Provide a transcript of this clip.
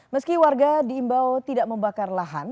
meski warga diimbau tidak membakar lahan